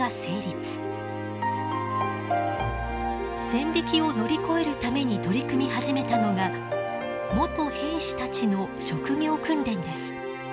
線引きを乗り越えるために取り組み始めたのが元兵士たちの職業訓練です。